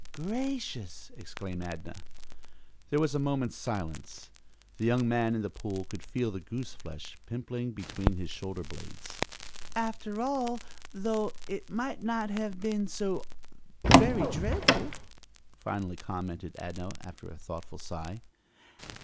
"Gracious!" exclaimed Adnah. There was a moment's silence. The young man in the pool could feel the goose flesh pimpling between his shoulder blades. "After all, though, it might not have been so very dreadful," finally commented Adnah, after a thoughtful sigh.